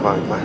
bantu dia noh